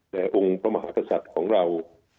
องค์พระมหากษัตริย์ของเรา